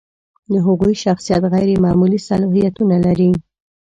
د هغوی شخصیت غیر معمولي صلاحیتونه لري.